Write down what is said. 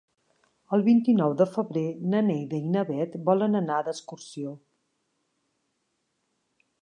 El vint-i-nou de febrer na Neida i na Bet volen anar d'excursió.